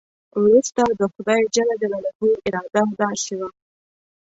وروسته د خدای جل جلاله اراده داسې وه.